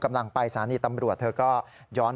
กำลังไปสถานีตำรวจเธอก็ย้อน